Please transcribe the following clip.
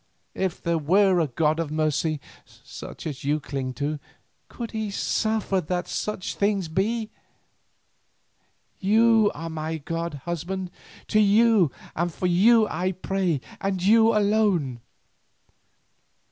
If there were a God of mercy such as you cling to, could He suffer that such things be? You are my god, husband, to you and for you I pray, and you alone.